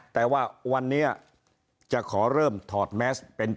แต่ว่าวันนี้จะขอเริ่มถอดแมสเป็น